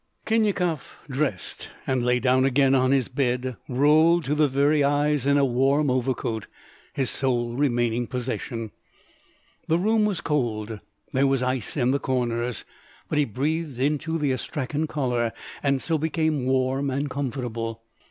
Khinyakov dressed, and lay down again on his bed rolled to the very eyes in a warm overcoat, his sole remaining possession. The room was cold, there was ice in the corners, but he breathed into the astrakhan collar, and so became warm and comfortable.